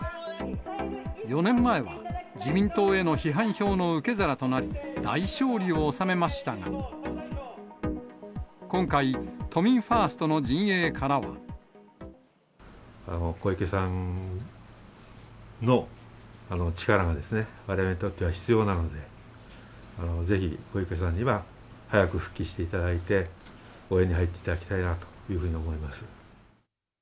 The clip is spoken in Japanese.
４年前は、自民党への批判票の受け皿となり、大勝利を収めましたが、今回、都民ファーストの陣営からは。小池さんの力がわれわれにとっては必要なので、ぜひ小池さんには、早く復帰していただいて、応援に入っていただきたいなというふうに思います。